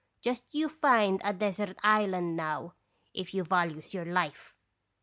Just you find a desert island now, if you values your life !